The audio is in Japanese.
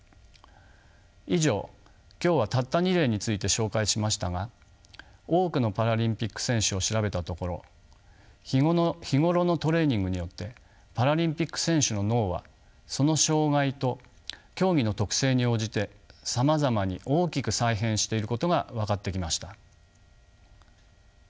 以上今日はたった２例について紹介しましたが多くのパラリンピック選手を調べたところ日頃のトレーニングによってパラリンピック選手の脳はその障がいと競技の特性に応じてさまざまに大きく再編していることが分かってきました。